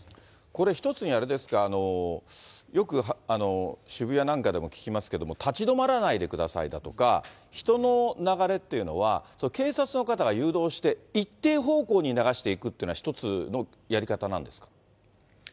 これ一つにあれですか、よく渋谷なんかでも聞きますけども、立ち止まらないでくださいだとか、人の流れっていうのは、警察の方が誘導して、一定方向に流していくっていうのは、一つのやり方なんですか。